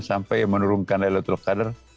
sampai menurunkan laylatul qadar